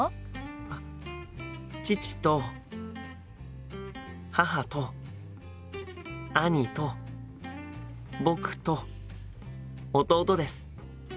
父と母と兄と僕と弟です。